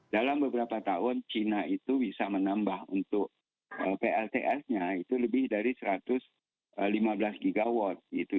dalam beberapa tahun cina itu bisa menambah untuk plts nya itu lebih dari satu ratus lima belas gigawatt gitu